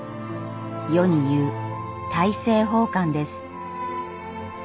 世に言う大政奉還です。